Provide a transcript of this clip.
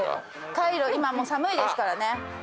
今もう寒いですからね。